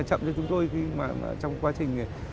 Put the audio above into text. chậm cho chúng tôi trong quá trình